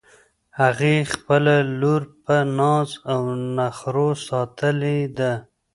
هغې خپله لور په ناز او نخروساتلی ده